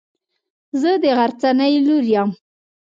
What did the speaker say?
زه د غرڅنۍ لور يم.